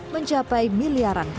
mencapai miliaran hewan